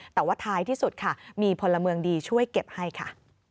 แต่ว่าท้ายที่สุดค่ะมีพลเมืองดีช่วยเก็บให้ค่ะ